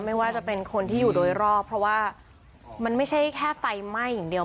ไม่ว่าจะเป็นคนที่อยู่โดยรอบเพราะว่ามันไม่ใช่แค่ไฟไหม้อย่างเดียว